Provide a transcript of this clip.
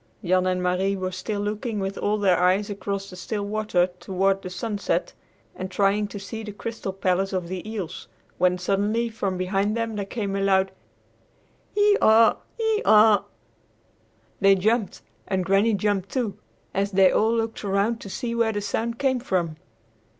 Jan and Marie were still looking with all their eyes across the still water toward the sunset and trying to see the crystal palace of the eels, when suddenly from behind them there came a loud "Hee haw, hee haw." They jumped, and Granny jumped, too, and they all looked around to see where the sound came from.